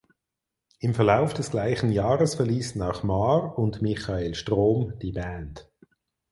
Im Verlauf des gleichen Jahres verließen auch Mahr und Michael Strohm die Band.